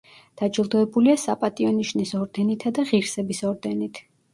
დაჯილდოებულია „საპატიო ნიშნის“ ორდენითა და ღირსების ორდენით.